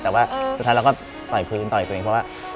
แต่ว่าสุดท้ายเราก็ต่อยพื้นต่อยตัวเองเพราะว่า